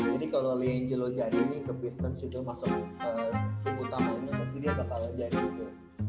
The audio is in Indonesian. jadi kalau li angel jadi ini ke pistons itu masuk ke tim utamanya nanti dia bakalan jadi gitu